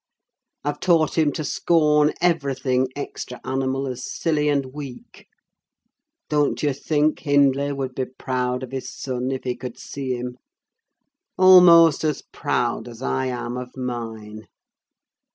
I've taught him to scorn everything extra animal as silly and weak. Don't you think Hindley would be proud of his son, if he could see him? almost as proud as I am of mine.